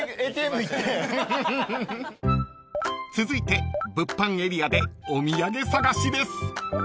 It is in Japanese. ［続いて物販エリアでお土産探しです］